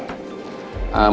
lagi di mana pak